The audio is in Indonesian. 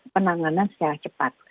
penanganan secara cepat